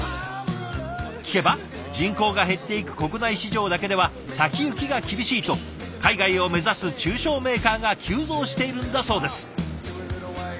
聞けば人口が減っていく国内市場だけでは先行きが厳しいと海外を目指す中小メーカーが急増しているんだそうです。